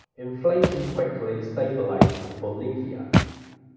Inflation quickly stabilized in Bolivia.